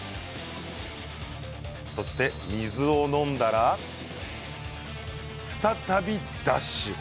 そして水を飲んだら再びダッシュ！